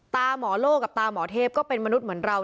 ตาหมอโลกกับตาหมอเทพก็เป็นมนุษย์เหมือนเรา